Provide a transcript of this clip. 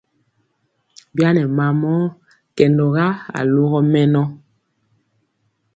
Bi a nɛ mamɔ kɛndɔga alogɔ mɛnɔ.